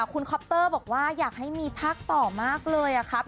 คุณคอปเตอร์บอกว่าอยากให้มีภาคต่อมากเลยครับ